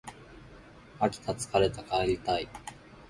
飽きた疲れた帰りたい